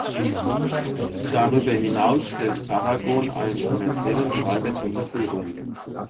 Darüber hinaus stellt Paragon einen kommerziellen Treiber zur Verfügung.